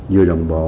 vừa đồng bộ